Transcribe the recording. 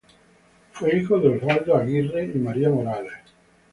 Fue hijo de Oswaldo Aguirre y María Morales.